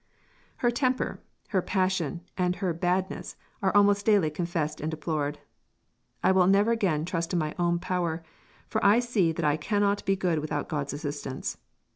] Her temper, her passion, and her "badness" are almost daily confessed and deplored: "I will never again trust to my own power, for I see that I cannot be good without God's assistance